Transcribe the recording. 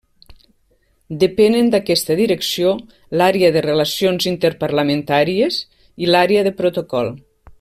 Depenen d'aquesta direcció l'Àrea de Relacions Interparlamentàries i l'Àrea de Protocol.